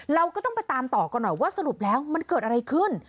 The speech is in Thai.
เราก็ต้องไปตามต่อกันหน่อยว่าสรุปแล้วมันเกิดอะไรขึ้น